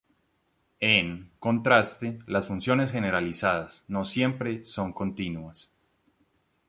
En contraste, las funciones generalizadas no son siempre continuas.